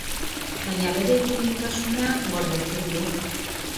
Baina bere duintasuna gordetzen du.